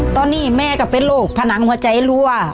ตอนนี้แม่ก็เป็นโรคผนังหัวใจรั่ว